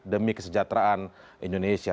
demi kesejahteraan indonesia